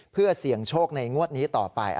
เพื่อเสี่ยงโชคในงวดนี้ต่อไป